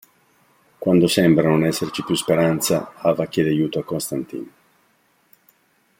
Quando sembra non esserci più speranza, Ava chiede aiuto a Constantine.